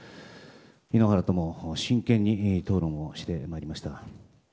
井ノ原とも真剣に討論をしてまいりました。